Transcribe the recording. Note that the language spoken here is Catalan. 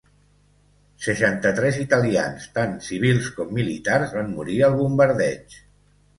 Seixanta-tres italians, tant civils com militars, van morir al bombardeig.